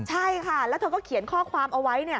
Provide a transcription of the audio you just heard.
ใช่ค่ะแล้วเธอก็เขียนข้อความเอาไว้